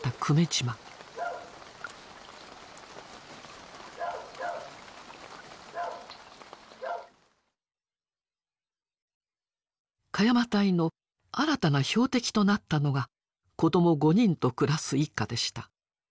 鹿山隊の新たな標的となったのが子ども５人と暮らす一家でした。